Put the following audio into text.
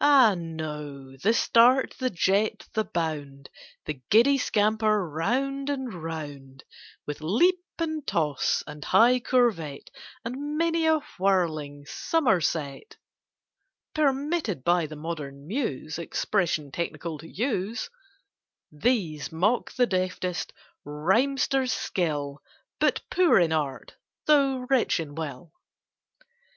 Ah, no! the start, the jet, the bound, The giddy scamper round and round, With leap and toss and high curvet, And many a whirling somerset, (Permitted by the modern muse Expression technical to use) These mock the deftest rhymester's skill, But poor in art, though rich in will.